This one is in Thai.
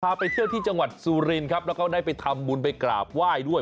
ไปเที่ยวที่จังหวัดสุรินครับแล้วก็ได้ไปทำบุญไปกราบไหว้ด้วย